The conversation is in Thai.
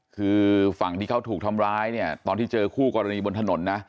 คือฝั่งที่เขาถูกทำร้ายเนี่ยตอนที่เจอคู่กรณีบนถนนนะ